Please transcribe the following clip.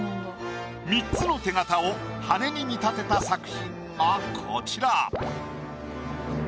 ３つの手形を羽に見立てた作品がこちら。